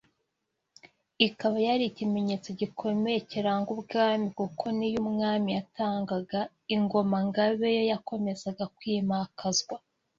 ikaba yari ikimenyetso gikomeye kiranga ubwami kuko n’iyo umwami yatangaga, Ingoma–Ngabe yo yakomezaga kwimakazwa